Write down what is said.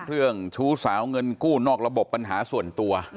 เรื่องชู้สาวเงินกู้นอกระบบปัญหาส่วนตัว